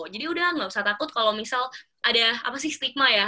jadi udah gak usah takut kalau misal ada apa sih stigma ya